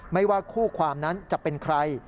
ไม่ว่าคู่ความนั้นจะเป็นใคร